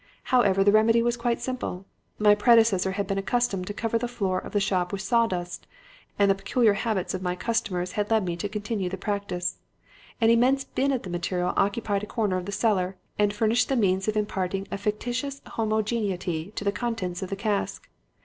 However, the remedy was quite simple. My predecessor had been accustomed to cover the floor of the shop with sawdust, and the peculiar habits of my customers had led me to continue the practice. An immense bin of the material occupied a corner of the cellar and furnished the means of imparting a factitious homogeneity to the contents of the cask.